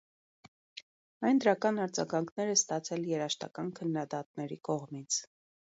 Այն դրական արձագանքներ է ստացել երաժշտական քննադատների կողմից։